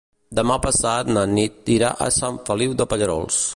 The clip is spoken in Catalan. Demà passat na Nit irà a Sant Feliu de Pallerols.